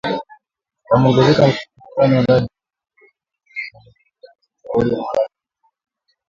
yameongeza mvutano ndani na kuzunguka Tripoli Stephanie Williams mshauri maalum kwa Libya